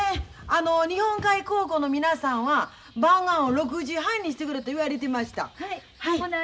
あの日本海高校の皆さんは晩ごはんを６時半にしてくれて言われてました。